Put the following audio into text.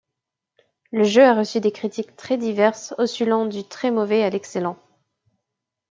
Le jeu a reçu des critiques très diverses oscillant du très mauvais à l'excellent.